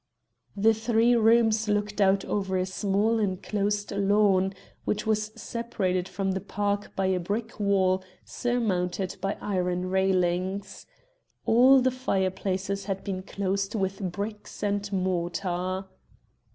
The three rooms looked out over a small enclosed lawn, which was separated from the park by a brick wall surmounted by iron railings. All the fireplaces had been closed with bricks and mortar.